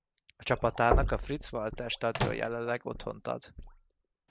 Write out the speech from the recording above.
A csapatának a Fritz Walter Stadion jelenleg otthont ad.